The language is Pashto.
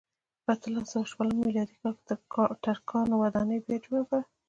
په اتلس سوه شلم میلادي کال ترکانو ودانۍ بیا جوړه کړه.